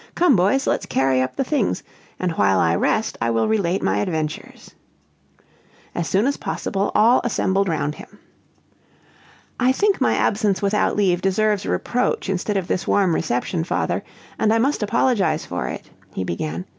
Come, boys, let's carry up the things, and while I rest I will relate my adventures." As soon as possible all assembled round him. "I think my absence without leave deserves reproach instead of this warm reception, father, and I must apologize for it," he began.